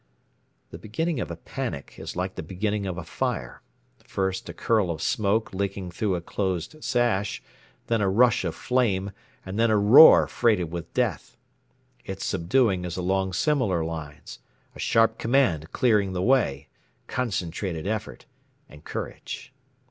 The beginning of a panic is like the beginning of a fire: first a curl of smoke licking through a closed sash, then a rush of flame, and then a roar freighted with death. Its subduing is along similar lines: A sharp command clearing the way, concentrated effort, and courage.